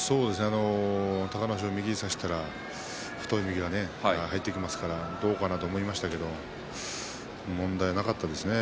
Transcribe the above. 隆の勝は右を差したが太い右が入ってきますからどうかなと思いましたけれど問題なかったですね。